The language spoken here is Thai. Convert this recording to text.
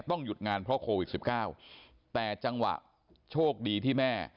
ต้องหยุดงานเพราะโควิด๑๙แต่จังหวะโชคดีที่แม่